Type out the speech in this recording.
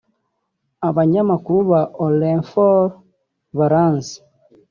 abanyamakuru ba Orinfor baranzi